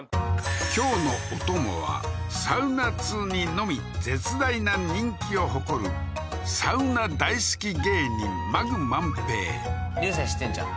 今日のお供はサウナ通にのみ絶大な人気を誇るサウナ大好き芸人マグ万平流星知ってるんちゃう？